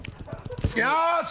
よし！